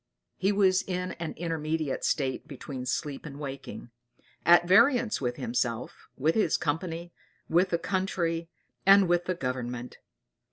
He was in an intermediate state between sleeping and waking; at variance with himself, with his company, with the country, and with the government.